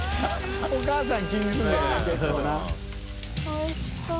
おいしそう。